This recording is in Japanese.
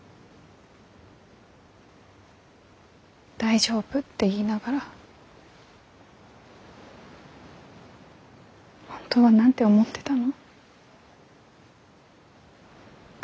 大丈夫って言いながら本当は何て思ってたの？